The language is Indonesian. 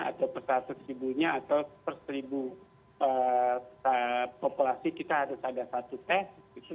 atau per seratus ribunya atau per seribu populasi kita harus ada satu tes gitu